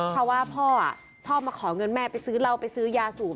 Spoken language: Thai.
เพราะว่าพ่อชอบมาขอเงินแม่ไปซื้อเหล้าไปซื้อยาสูบ